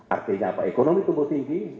artinya apa ekonomi tumbuh tinggi